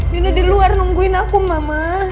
dulu di luar nungguin aku mama